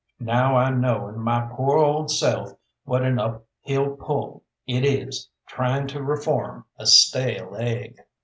Now I know in my poor old self what an uphill pull it is trying to reform a stale egg.